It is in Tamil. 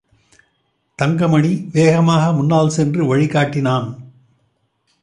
தங்கமணி வேகமாக முன்னால் சென்று வழிகாட்டினான்.